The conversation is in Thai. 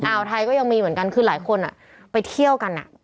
ไทยก็ยังมีเหมือนกันคือหลายคนไปเที่ยวกัน